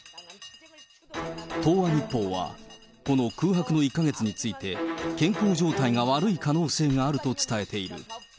東亜日報は、この空白の１か月について、健康状態が悪い可能性があると伝えている。